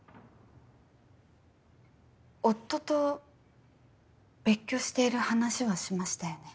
夫と別居してる話はしましたよね。